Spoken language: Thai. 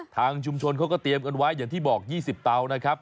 ทางชุมชนเขาก็เตรียมกันไว้อย่างที่บอก๒๐เตานะครับ